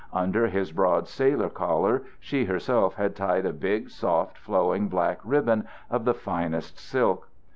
Under his broad sailor collar she herself had tied a big, soft, flowing black ribbon of the finest silk.